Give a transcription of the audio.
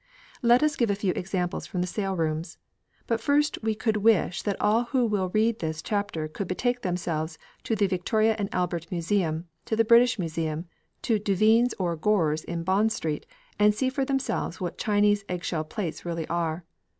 Let us give a few examples from the sale rooms. But first we could wish that all who will read this chapter could betake themselves to the Victoria and Albert Museum, to the British Museum, to Duveen's or Gorer's in Bond Street, and see for themselves what Chinese eggshell plates really are.